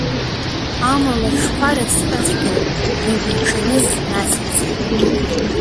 Амала аҽқәа рыцҭәа цәгьоуп, угәы уҽаныз, нациҵеит.